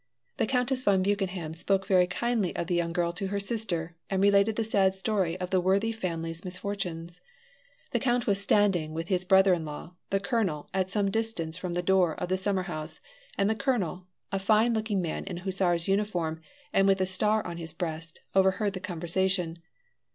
The Countess von Buchenhaim spoke very kindly of the young girl to her sister, and related the sad story of the worthy family's misfortunes. The count was standing with his brother in law, the colonel, at some little distance from the door of the summer house, and the colonel, a fine looking man in a hussar's uniform and with a star on his breast, overheard the conversation.